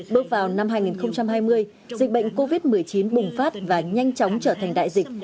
bước vào năm hai nghìn hai mươi dịch bệnh covid một mươi chín bùng phát và nhanh chóng trở thành đại dịch